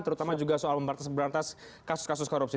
terutama juga soal membatas berantas kasus kasus korupsi